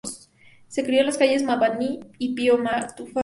Se crio en las calles Manabí y Pío Montúfar, al sur de la ciudad.